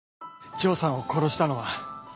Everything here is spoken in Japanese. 丈さんを殺したのは。